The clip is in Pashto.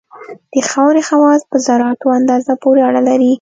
د خاورې خواص په ذراتو اندازه پورې اړه لري